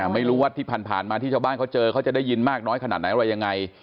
ไม่รู้ว่าที่ผ่านมาที่ชาวบ้านเขาเจอเขาจะได้ยินมากน้อยขนาดไหนอะไรยังไง